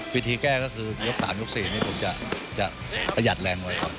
วิธีแก้ก็คือยก๓ยก๔นี่ผมจะประหยัดแรงมวยก่อน